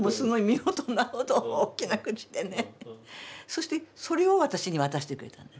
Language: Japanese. そしてそれを私に渡してくれたの。